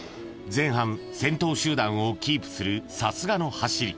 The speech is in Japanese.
［前半先頭集団をキープするさすがの走り］